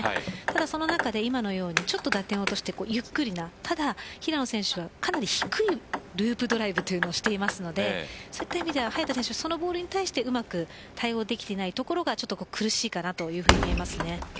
その中で今のように打点を落として、ゆっくりな平野選手は低いループドライブをしていますのでそういった意味では早田選手そのボールに対してうまく対応できてないところが５対１。